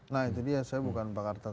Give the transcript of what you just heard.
nah itu dia saya bukan pakar tata